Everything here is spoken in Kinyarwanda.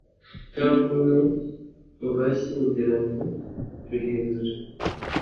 cyangwa umwe mu bashyingiranywe ruhindura